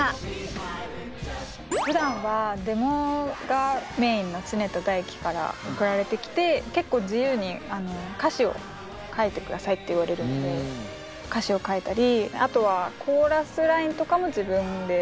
ふだんはデモがメインの常田大希から送られてきて結構「自由に歌詞を書いてください」って言われるんで歌詞を書いたりあとはコーラスラインとかも自分で。